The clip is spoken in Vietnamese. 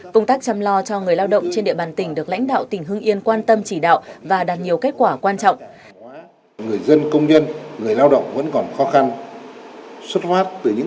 công tác chăm lo cho người lao động trên địa bàn tỉnh được lãnh đạo tỉnh hưng yên quan tâm chỉ đạo và đạt nhiều kết quả quan trọng